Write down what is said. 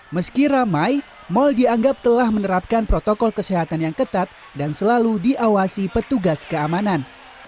meski ramai mal dianggap telah menerapkan protokol kesehatan yang ketat dan selalu diawasi petugas keamanan